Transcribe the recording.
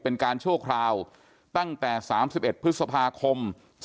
เป็นการชั่วคราวตั้งแต่๓๑พฤษภาคม๒๕๖